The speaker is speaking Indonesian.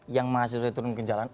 yang mahasiswa turun ke jalan